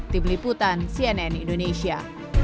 tim liputan cnn indonesia